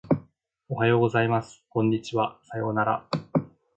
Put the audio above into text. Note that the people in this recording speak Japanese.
おはようございます。こんにちは。さようなら。